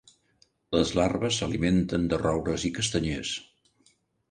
Les larves s'alimenten de roures i castanyers.